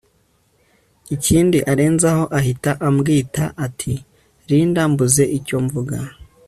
ikindi arenzaho ahita ambwita ati Linda mbuze icyo mvuga